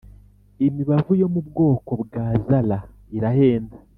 imibavu yo mubwoko bwa zara irahenda